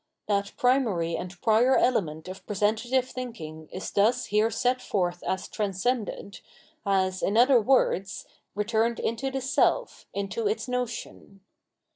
That primary and prior element of presentative thinking is thus here set forth as transcended, has, in other words, returned into the self, into its notion.